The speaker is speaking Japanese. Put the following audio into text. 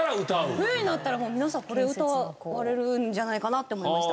冬になったらもう皆さんこれ歌われるんじゃないかなって思いました。